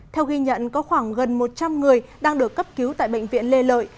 theo ghi nhận có khoảng gần một trăm linh người đang được cấp cứu tại bệnh viện lê lợi